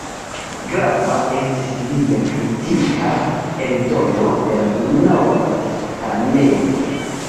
Grava estis lia kritika eldono de la "Nova Testamento".